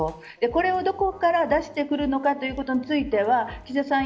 これをどこから出してくるのかということについては岸田さん